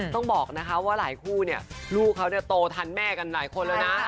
ต้องบอกนะคะลูกเค้าเนี่ยโตทันแม่กันหลายคนแล้วนะ